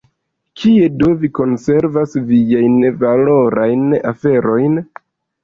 Kie do vi konservas viajn valorajn aferojn?